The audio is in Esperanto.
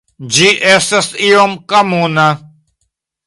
Ĝi estas iom komuna.